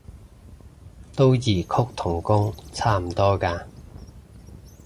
都異曲同工差唔多嘅